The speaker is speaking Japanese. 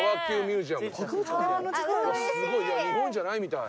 すごい日本じゃないみたい。